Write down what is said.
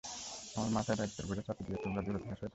আমার মাথায় দায়িত্বের বোঝা চাপিয়ে দিয়ে তোমরা দূরে সরে থাকবে?